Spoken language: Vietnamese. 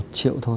một triệu thôi